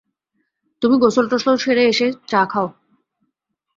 তুমি গোসলটোসল সেরে এসে চা খাও।